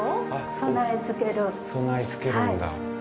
備え付けるんだ。